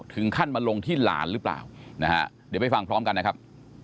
ตรงที่หลานหรือเปล่านะฮะเดี๋ยวไปฟังพร้อมกันนะครับ